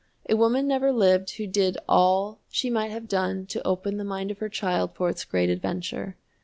A woman never lived who did all she might have done to open the mind of her child for its great adventure.